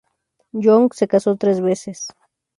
Young se casó tres veces.